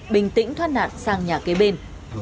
bình tĩnh thoát nạn sang nhà kế bên